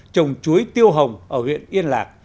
trồng chuối tiêu hồng ở huyện yên lạc